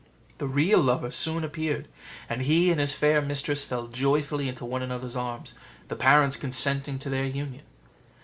The real lover soon appeared, and he and his fair mistress fell joyfully into one another's arms, the parents consenting to their union.